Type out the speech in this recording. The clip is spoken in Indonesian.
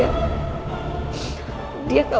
dia khawatirkan penyakit